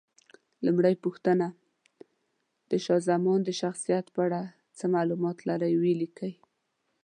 لومړۍ پوښتنه: د شاه زمان د شخصیت په اړه څه معلومات لرئ؟ ویې لیکئ.